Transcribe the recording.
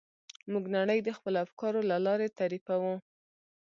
موږ نړۍ د خپلو افکارو له لارې تعریفوو.